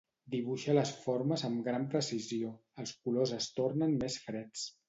Dibuixa les formes amb gran precisió, els colors es tornen més freds.